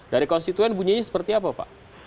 dari konstituen bunyinya seperti apa pak